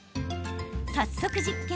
早速、実験。